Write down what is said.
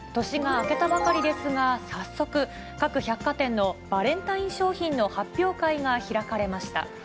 年が明けたばかりですが、早速、各百貨店のバレンタイン商品の発表会が開かれました。